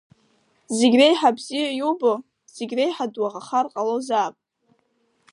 Зегь реиҳа бзиа иубо, зегь реиҳа дуаӷахар ҟалозаап.